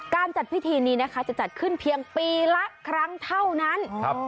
การจัดพิธีนี้นะคะจะจัดขึ้นเพียงปีละครั้งเท่านั้น